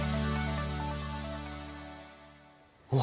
うわ！